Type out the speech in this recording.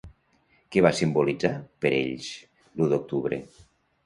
Què va simbolitzar per ells l'U d'octubre?